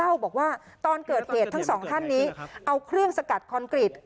บอกว่าตอนเกิดเหตุทั้งสองท่านนี้เอาเครื่องสกัดคอนกรีต